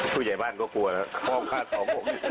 ผู้ใหญ่บ้านก็กลัวแล้วข้องคาดของผม